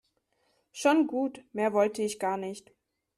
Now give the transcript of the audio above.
Schon gut, mehr wollte ich gar nicht.